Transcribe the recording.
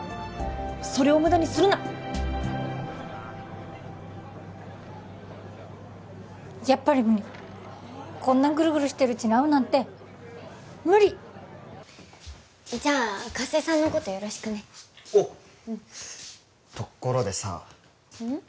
それを無駄にするなやっぱり無理こんなグルグルしてるうちに会うなんて無理じゃあ加瀬さんのことよろしくねおうところでさうん？